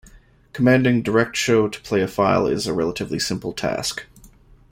Commanding DirectShow to play a file is a relatively simple task.